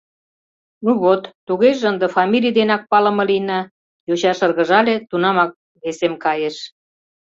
— Ну вот, тугеже ынде фамилий денак палыме лийна, — йоча шыргыжале, тунамак весем кайыш.